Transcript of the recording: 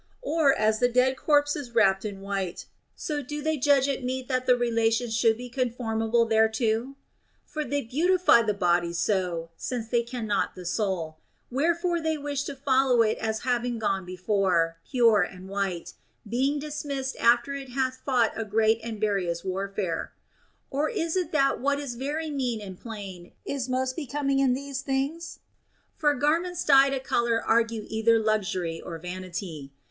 Or, as the dead corpse is wrapped in white, so do they judge it meet that the relations should be conformable thereto ? For they beautify the body so, since they cannot the soul ; wherefore they wish to follow it as having gone before, pure and white, being dismissed after it hath fought a great and various warfare. Or is it that what is very mean and plain is most becoming in these things ? For garments dyed of a color argue either luxury or vanity.